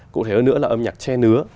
cụ thể hơn nữa là âm nhạc che nứa